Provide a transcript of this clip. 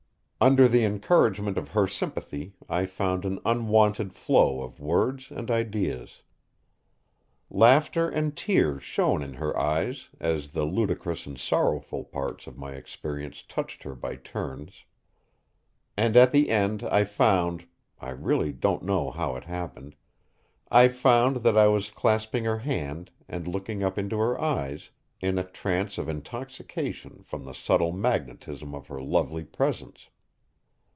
Under the encouragement of her sympathy I found an unwonted flow of words and ideas. Laughter and tears shone in her eyes as the ludicrous and sorrowful parts of my experience touched her by turns. And at the end I found I really don't know how it happened I found that I was clasping her hand and looking up into her eyes in a trance of intoxication from the subtle magnetism of her lovely presence.